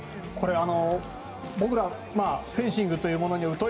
僕ら、フェンシングというものに疎い